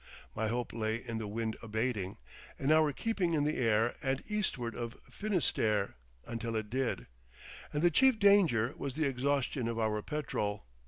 My hope lay in the wind abating, and our keeping in the air and eastward of Finisterre until it did, and the chief danger was the exhaustion of our petrol.